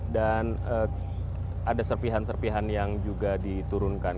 dan ada serpihan serpihan yang juga diturunkan